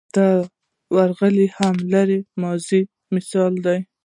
دی ورغلی و هم د لرې ماضي مثال دی.